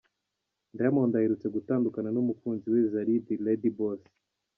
Diamond aherutse gutandukana n'umukunzi we Zari The Lady Boss.